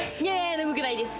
眠くないです。